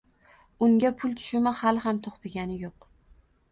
Unga pul tushumi hali ham to‘xtagani yo‘q.